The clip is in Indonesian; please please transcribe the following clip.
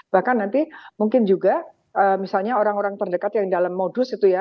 bahkan nanti mungkin juga misalnya orang orang terdekat yang dalam modus itu ya